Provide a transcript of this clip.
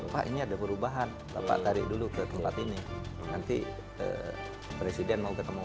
pak ini ada perubahan bapak tarik dulu ke tempat ini nanti presiden mau ketemu